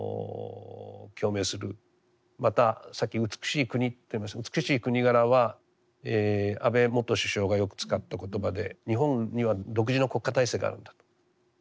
またさっき「美しい国」と言いましたが「美しい国柄」は安倍元首相がよく使った言葉で日本には独自の国家体制があるんだと。